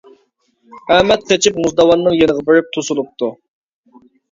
ئەمەت قېچىپ مۇزداۋاننىڭ يېنىغا بېرىپ توسۇلۇپتۇ.